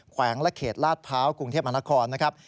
แขวงระเขตลาดพร้าวกรุงเทพฯอาณาคอร์นนะครับ